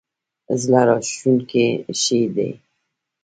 زړه راښکونکی شی دی.